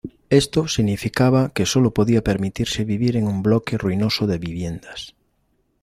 Esto significaba que sólo podía permitirse vivir en un bloque ruinoso de viviendas.